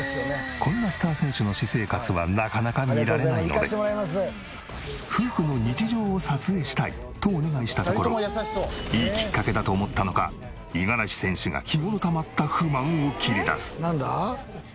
こんなスター選手の私生活は夫婦の日常を撮影したいとお願いしたところいいきっかけだと思ったのか五十嵐選手が日頃たまった不満を切り出す。